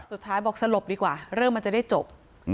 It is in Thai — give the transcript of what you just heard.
สุดท้ายบอกสลบดีกว่าเรื่องมันจะได้จบ